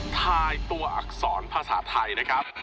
ทายตัวอักษรภาษาไทยนะครับ